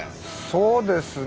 そうですね。